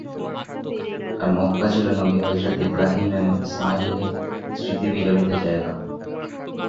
আর Mecca ছিল নবী হযরত ইব্রাহিম এবং ইসমাইল -এর স্মৃতিবিজড়িত জায়গা।